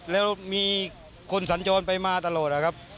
แล้วมีคนสัญจรไปมาตลอดนะครับ